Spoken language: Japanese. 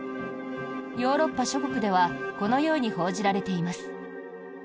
ヨーロッパ諸国ではこのように報じられています。